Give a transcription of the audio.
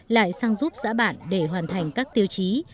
lại sang giúp xã bản để hoàn thành các tiêu chí